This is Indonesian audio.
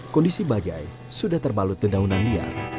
kondisi bajai sudah terbalut dendaunan liar